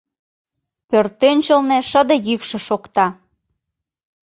Пӧртӧнчылнӧ шыде йӱкшӧ шокта: